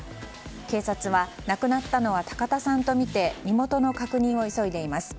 警察は、亡くなったのは高田さんとみて身元の確認を急いでいます。